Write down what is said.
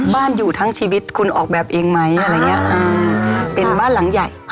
บ้านอยู่ทั้งชีวิตคุณออกแบบเองไหม